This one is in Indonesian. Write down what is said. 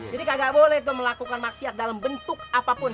jadi kagak boleh tuh melakukan maksiat dalam bentuk apapun